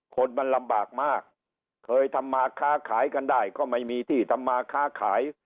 คนมันลำบากมากเคยทำมาค้าขายกันได้ก็ไม่มีที่ทำมาค้าขาย